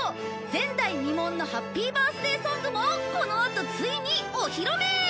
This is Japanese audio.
前代未聞のハッピーバースデーソングもこのあとついにお披露目！